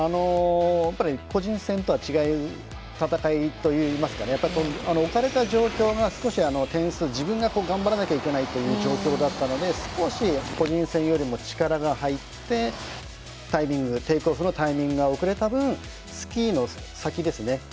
やっぱり個人戦とは違う戦いといいますか置かれた状況が少し自分が頑張らなきゃいけないという状況だったので少し個人戦よりも力が入ってタイミング、テイクオフのタイミングが遅れた分スキーの先ですね。